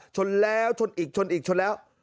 ชนแล้วชนอีกชนอีกชนแล้ว